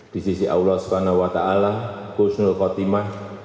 di sisi allah swt kusnul kotimah